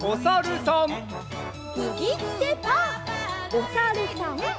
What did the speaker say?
おさるさん。